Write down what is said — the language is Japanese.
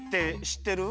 しってる。